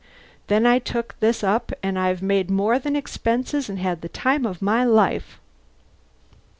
Then I took this up and I've made more than expenses and had the time of my life."